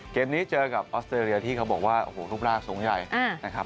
เกมนี้เจอกับออสเตรเลียที่เขาบอกว่าโอ้โหรูปร่างสูงใหญ่นะครับ